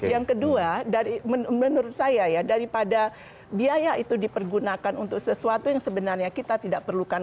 yang kedua menurut saya ya daripada biaya itu dipergunakan untuk sesuatu yang sebenarnya kita tidak perlukan